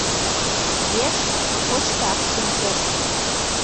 Еш кочкаш шинчеш.